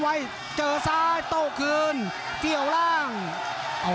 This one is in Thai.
ภูตวรรณสิทธิ์บุญมีน้ำเงิน